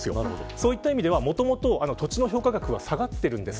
そういった意味ではもともと土地の評価額が下がってるんです。